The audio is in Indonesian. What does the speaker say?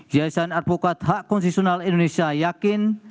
yayasan advokat hak konstitusional indonesia yakin